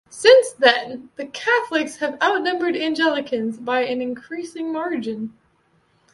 Since then Catholics have outnumbered Anglicans by an increasing margin.